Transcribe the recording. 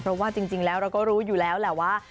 เพราะว่าจริงแล้วเราก็รู้อยู่แล้วแหละว่า